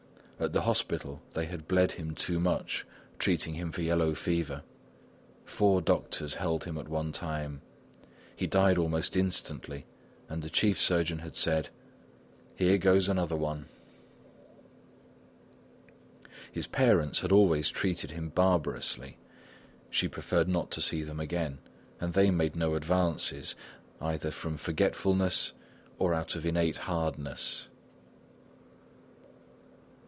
At the hospital they had bled him too much, treating him for yellow fever. Four doctors held him at one time. He died almost instantly, and the chief surgeon had said: "Here goes another one!" His parents had always treated him barbarously; she preferred not to see them again, and they made no advances, either from forgetfulness or out of innate hardness.